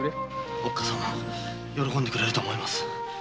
おっかさんも喜んでくれると思います。